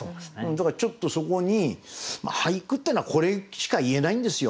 だからちょっとそこに俳句っていうのはこれしか言えないんですよ。